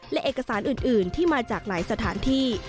และเอกสารอื่นที่มาจากหลายสถานที่